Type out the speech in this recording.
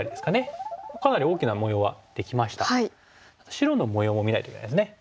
白の模様も見ないといけないですね。